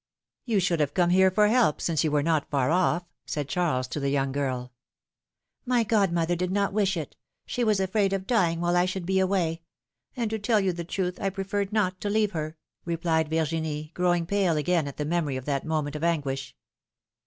You should have come here for help, since you were not far oS*!" said Charles to the young girl. ^^My godmother did not wish it — she was afraid of dying while I should be away; and, to tell the truth, I preferred not to leave her," replied Virginie, growing pale again at the memory of that moment of anguish.